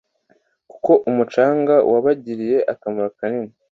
kuko umucanga wabagiriye akamaro kanini